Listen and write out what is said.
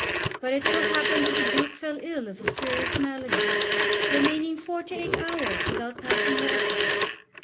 But it so happened that the Duke fell ill of a serious malady, remaining forty eight hours without passing water.